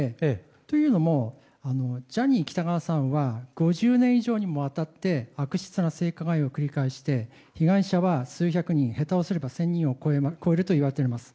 というのもジャニー喜多川さんは５０年以上にもわたって悪質な性加害を繰り返して被害者は数百人下手をすれば１０００人を超えるといわれております。